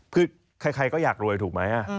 คือใครก็อยากรวยถูกไหม